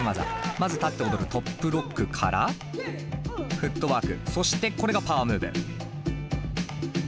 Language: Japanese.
まず立って踊るトップロックからフットワークそしてこれがパワームーブ。